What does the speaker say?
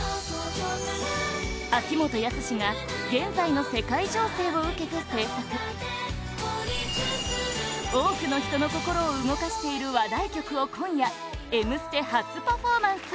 秋元康が現在の世界情勢を受けて制作多くの人の心を動かしている話題曲を今夜「Ｍステ」初パフォーマンス！